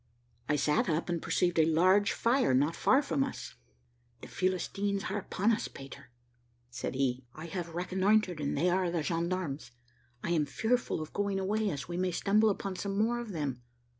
I sat up, and perceived a large fire not far from us. "The Philistines are upon us, Peter," said he: "I have reconnoitred, and they are the gendarmes. I am fearful of going away, as we may stumble upon some more of them.